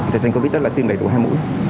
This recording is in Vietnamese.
thời gian covid đó là tiêm đầy đủ hai mũi